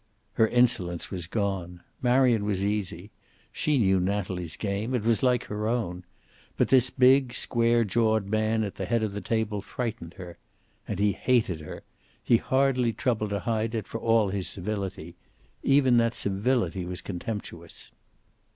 Her insolence was gone. Marion was easy. She knew Natalie's game; it was like her own. But this big square jawed man at the head of the table frightened her. And he hated her. He hardly troubled to hide it, for all his civility. Even that civility was contemptuous.